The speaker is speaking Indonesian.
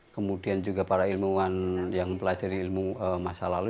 kemudian juga para ilmuwan yang mempelajari ilmu masa lalu